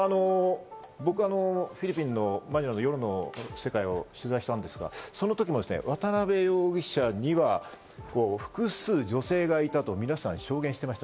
僕、フィリピンのマニラの夜の世界を取材したんですが、その時もですね、渡辺容疑者には複数女性がいたと、皆さん、証言していました。